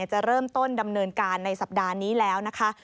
จะเริ่มต้นดำเนินการในสัปดาห์นี้แล้วนะคะ